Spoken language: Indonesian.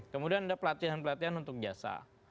kemudian ada pelatihan pelatihan untuk jasa